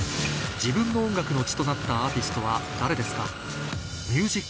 自分の音楽の血となったアーティストは誰ですか？